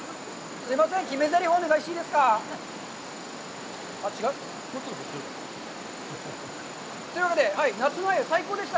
すいません、決めぜりふお願いしていいですか？というわけで、夏のアユ、最高でした。